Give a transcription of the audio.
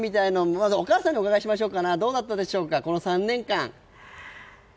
まずお母さんにお伺いしましょうどうでしたか、この三年間。